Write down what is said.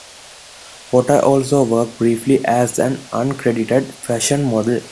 Potter also worked briefly as an uncredited fashion model.